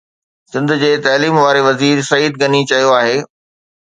سنڌ جي تعليم واري وزير سعيد غني چيو آهي